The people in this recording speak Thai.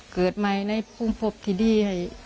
เกิดใหม่ในพวกภพที่ดี